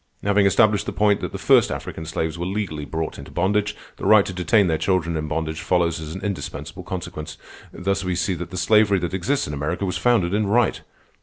Having established the point that the first African slaves were legally brought into bondage, the right to detain their children in bondage follows as an indispensable consequence. Thus we see that the slavery that exists in America was founded in right.